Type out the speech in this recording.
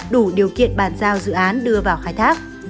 đủ điều kiện bàn giao dự án đưa vào khai thác